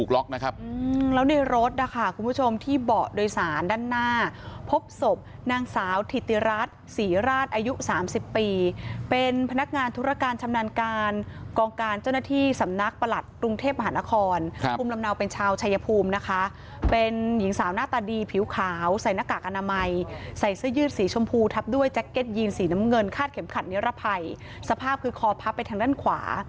แล้วในรถนะคะคุณผู้ชมที่เบาะโดยสารด้านหน้าพบศพนางสาวถิติรัฐศรีราชอายุ๓๐ปีเป็นพนักงานธุรการชำนาญการกองการเจ้าหน้าที่สำนักประหลัดกรุงเทพมหานครภูมิลำเนาเป็นชาวชายภูมินะคะเป็นหญิงสาวหน้าตาดีผิวขาวใส่หน้ากากอนามัยใส่เสื้อยืดสีชมพูทับด้วยแจ็คเก็ตยีนสีน้ำเงินคาดเข็มขัดนิรภัยสภาพคือคอพับไปทางด้านขวา